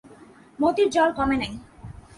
মতির জ্বর কমে নাই।